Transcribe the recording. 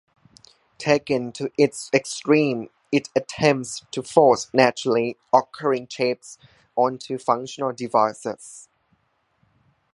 Taken to its extreme it attempts to force naturally occurring shapes onto functional devices.